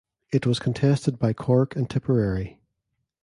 It was contested by Cork and Tipperary.